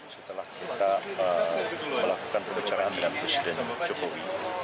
setelah kita melakukan pembicaraan dengan presiden jokowi